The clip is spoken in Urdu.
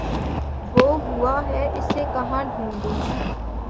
وہ ہوا ہے اسے کہاں ڈھونڈوں